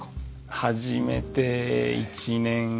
始めて１年。